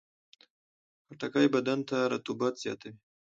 خټکی بدن ته رطوبت زیاتوي.